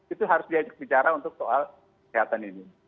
itu harus diajak bicara untuk soal kesehatan ini